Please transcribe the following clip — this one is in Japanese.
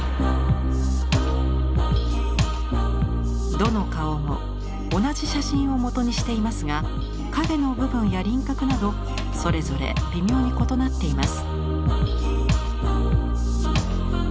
どの顔も同じ写真をもとにしていますが影の部分や輪郭などそれぞれ微妙に異なっています。